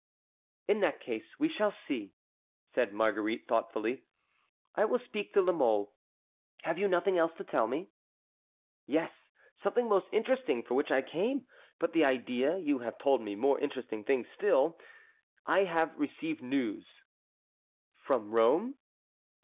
"In that case we shall see," said Marguerite thoughtfully; "I will speak to La Mole. Have you nothing else to tell me?" "Yes; something most interesting for which I came. But, the idea, you have told me more interesting things still. I have received news." "From Rome?"